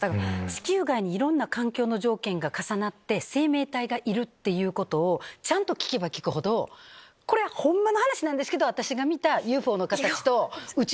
地球外にいろんな環境の条件が重なって生命体がいるっていうことをちゃんと聞けば聞くほどこれはホンマの話なんですけど私が見た。